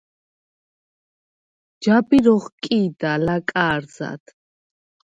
ჯაბირ ოხკი̄და ლაკა̄რზად.